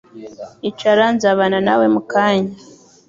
Icara. Nzabana nawe mu kanya.